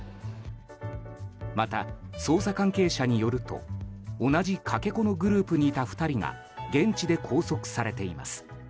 また、捜査関係者によると同じかけ子のグループにいた２人が現地で拘束されています。